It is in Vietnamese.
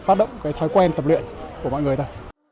phát động cái thói quen tập luyện của mọi người này